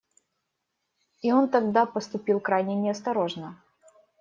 И он тогда поступил крайне неосторожно.